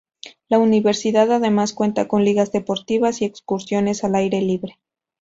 La universidad además cuenta con ligas deportivas y excursiones al aire libre.